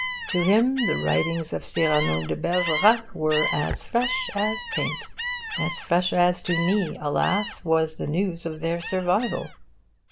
To him the writings of Cyrano de Bergerac were as fresh as paint as fresh as to me, alas, was the news of their survival.